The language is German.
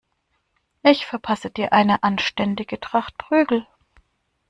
Ich verpasse dir eine anständige Tracht Prügel.